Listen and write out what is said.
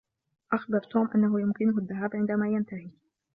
أخبر توم أنه يمكنه الذهاب عندما ينتهي.